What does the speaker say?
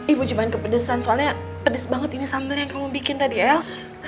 ibu cuma kepedesan soalnya pedes banget ini sambal yang kamu bikin tadi el